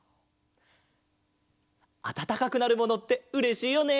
あたたかくなるものってうれしいよね！